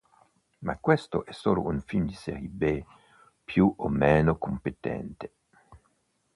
Ma questo è solo un film di serie B più o meno competente.